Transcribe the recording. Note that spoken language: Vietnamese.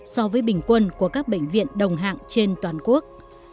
so với bình quân của các bệnh viện đồng hạng trên toàn quốc